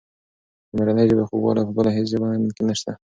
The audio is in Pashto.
د مورنۍ ژبې خوږوالی په بله هېڅ ژبه کې نشته.